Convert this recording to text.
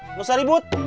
nggak usah ribut